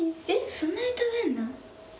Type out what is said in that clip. そんなに食べるの？